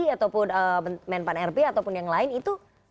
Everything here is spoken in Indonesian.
ataupun menpan rp ataupun yang lain itu